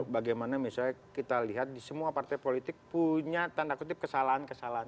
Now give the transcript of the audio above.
bagaimana misalnya kita lihat di semua partai politik punya tanda kutip kesalahan kesalahan